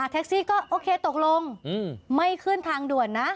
แท็กซี่ก็โอเคตกลงไม่ขึ้นทางด่วนนะ